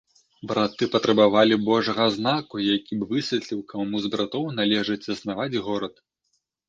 Браты патрабавалі божага знаку, які б высветліў, каму з братоў належыць заснаваць горад.